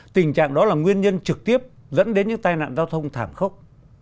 tình trạng đó là nguyên nhân trực tiếp dẫn đến những tai nạn giao thông thảm khốc